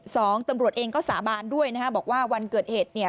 ตำรวจเองก็สาบานด้วยนะฮะบอกว่าวันเกิดเหตุเนี่ย